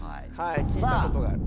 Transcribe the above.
聞いたことがある。